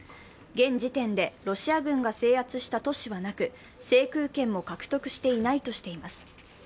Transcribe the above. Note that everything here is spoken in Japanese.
現時点でロシア軍が制圧した都市はなく制空権も獲得していないとしています。